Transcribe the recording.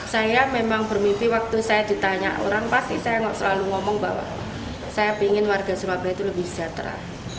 saya memang bermimpi waktu saya ditanya orang pasti saya nggak selalu ngomong bahwa saya ingin warga surabaya itu lebih sejahtera